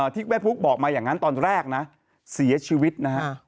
ที่แม่ปุ๊กบอกมาอย่างนั้นตอนแรกนะเสียชีวิตนะฮะ